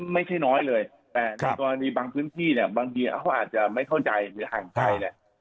ไม่ใช่น้อยเลยแต่ในกรณีบางพื้นที่เนี่ยบางทีเขาอาจจะไม่เข้าใจหรือห่างไกลเนี่ย